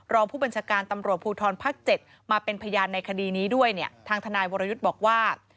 รองผู้บัญชาการตำรวจภูทรภาค๗มาเป็นพยานในคดีนี้ด้วยเนี่ยทางทนายวรยุทธ์บอกว่า